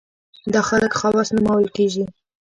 دا خلک خواص نومول کېږي.